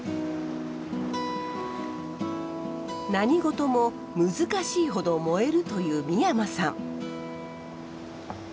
何事も難しいほど燃えるという三山さん。